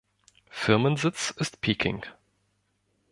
Firmensitz ist Peking.